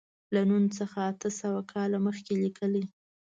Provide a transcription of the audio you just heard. له نن څخه اته سوه کاله مخکې لیکلی.